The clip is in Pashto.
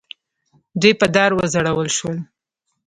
دوی په دار وځړول شول.